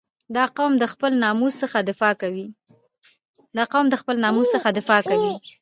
• دا قوم له خپل ناموس څخه دفاع کوي.